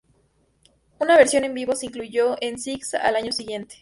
Una versión en vivo se incluyó en "Six" al año siguiente.